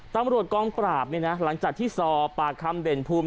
ตำรวจกองปราบเนี่ยนะหลังจากที่สอบปากคำเด่นภูมิ